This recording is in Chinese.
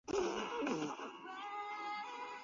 于西人口变化图示